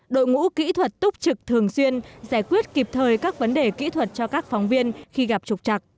đội ngũ kỹ thuật túc trực thường xuyên giải quyết kịp thời các vấn đề kỹ thuật cho các phóng viên khi gặp trục chặt